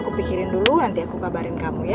oke kalau gitu aku pikirin dulu nanti aku kabarin kamu ya